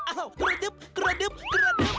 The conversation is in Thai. อ้าวกระดึ๊บกระดึ๊บกระดึบ